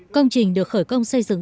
công trình được khởi công xây dựng